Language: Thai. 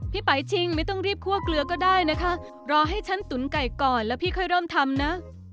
ไปชิงไม่ต้องรีบคั่วเกลือก็ได้นะคะรอให้ฉันตุ๋นไก่ก่อนแล้วพี่ค่อยเริ่มทำนะ